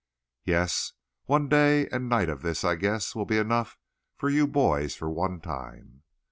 "Yes. One day and night of this, I guess, will be enough for you boys for one time."